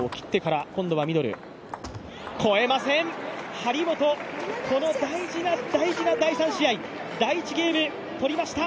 張本、この大事な大事な第３試合、第１ゲーム取りました。